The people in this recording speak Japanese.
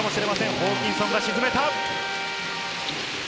ホーキンソンが沈めた！